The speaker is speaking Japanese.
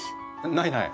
ないない